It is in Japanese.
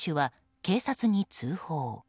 バイクの運転手は警察に通報。